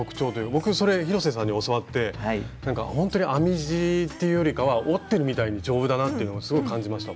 僕それ広瀬さんに教わってほんとに編み地というよりかは織ってるみたいに丈夫だなというのはすごく感じました。